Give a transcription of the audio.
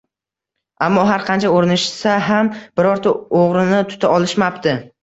Ammo har qancha urinishsa ham birorta o`g`rini tuta olishmapti